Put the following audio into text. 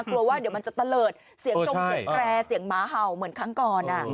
กลัวว่าเดี๋ยวมันจะตะเลิศเสียงจงเสียงแตรเสียงหมาเห่าเหมือนครั้งก่อน